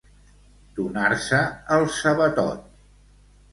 Donar-se el sabatot.